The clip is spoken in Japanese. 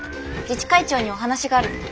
自治会長にお話があると。